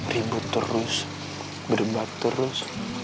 ribut terus berdebat terus